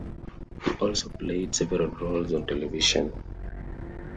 He also played several roles on television.